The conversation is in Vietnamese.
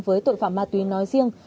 với tội phạm ma túy nói riêng